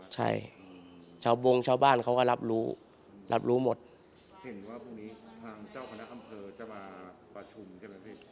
ใช่ชาวบงชาวบ้านเขาก็รับรู้รับรู้หมดเห็นว่าพรุ่งนี้ทางเจ้าคณะอำเภอจะมาประชุมใช่ไหมพี่